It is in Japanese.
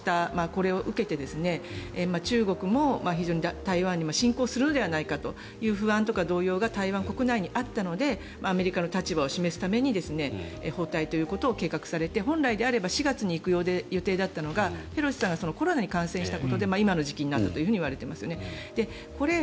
これを受けて中国も非常に台湾にも侵攻するのではないかという動揺が台湾国内にあったのでアメリカの立場を示すために訪台ということを計画されて本来であれば４月に行く予定だったのがペロシさんがコロナに感染したことで今の時期になったといわれていますよね。